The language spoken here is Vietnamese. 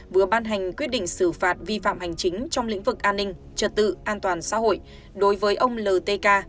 vừa ban hành quyết định xử phạt vi phạm hành chính trong lĩnh vực an ninh trật tự an toàn xã hội đối với ông l t k